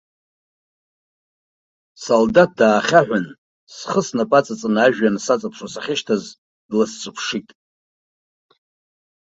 Салдаҭ дааҳәын, схы снапы аҵаҵаны, ажәҩан саҵаԥшуа сахьышьҭаз дласҿаԥшит.